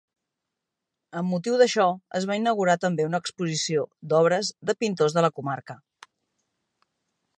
Amb motiu d'això es va inaugurar també una exposició d'obres de pintors de la comarca.